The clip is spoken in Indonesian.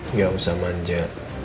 nggak usah manja